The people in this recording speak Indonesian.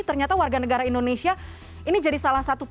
ternyata warga negara indonesia ini jadi salah satu pilihan